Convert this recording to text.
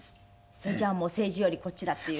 それじゃあもう政治よりこっちだっていう。